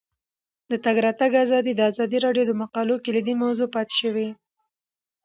د تګ راتګ ازادي د ازادي راډیو د مقالو کلیدي موضوع پاتې شوی.